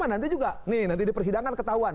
nanti juga di persidangan ketahuan